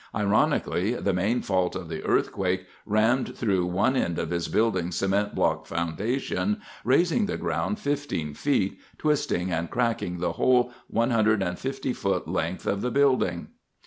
Ironically, the main fault of the earthquake rammed through one end of his building's cement block foundation, raising the ground 15 ft., twisting and cracking the whole 150 ft. length of the building.